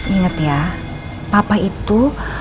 ingat ya papa itu